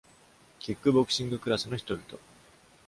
キックボクシングクラスの人々。